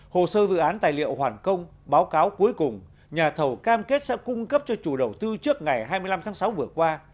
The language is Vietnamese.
hồ sơ dự án tài liệu hoàn công báo cáo cuối cùng nhà thầu cam kết sẽ cung cấp cho chủ đầu tư trước ngày hai mươi năm tháng sáu vừa qua